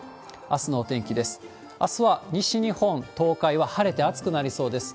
あすは西日本、東海は晴れて暑くなりそうです。